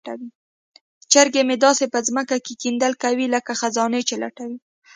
چرګې مې داسې په ځمکه کې کیندل کوي لکه خزانه چې لټوي.